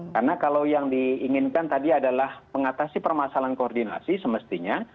karena kalau yang diinginkan tadi adalah mengatasi permasalahan koordinasi semestinya